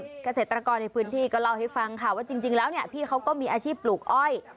เกษตรกรในพื้นที่ก็เล่าให้ฟังค่ะว่าจริงแล้วเนี่ยพี่เขาก็มีอาชีพปลูกอ้อย